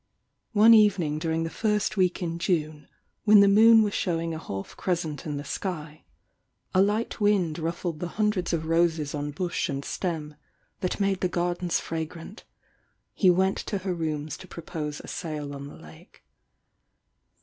One evening during the first week in June, when the moon was showing a half crescent in the sky, a light wind ruffled the hundreds of roses on bush and Steffi that made the gardens fragrant, he went to her rouras to propose a sail on the lake.